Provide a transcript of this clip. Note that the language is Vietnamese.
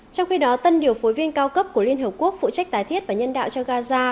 trong khi đó tân điều phối viên cao cấp của liên hợp quốc phụ trách tài thiết và nhân đạo cho gaza